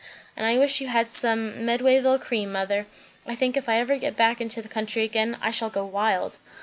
And I wish you had some Medwayville cream, mother. I think, if I ever get back into the country again, I shall go wild."